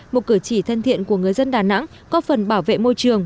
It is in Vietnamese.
một cử chỉ thân thiện của người dân đà nẵng có phần bảo vệ môi trường